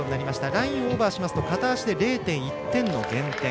ラインをオーバーしますと片足で０．１点の減点。